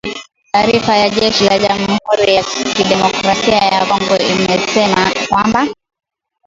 Taarifa ya jeshi la jamuhuri ya kidemokrasia ya Kongo imesema kwamba